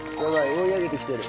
追い上げてきてる。